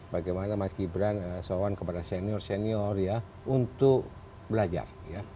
bagaimana mas gibran sowan kepada senior senior untuk belajar